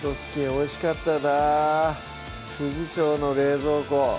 おいしかったな調の冷蔵庫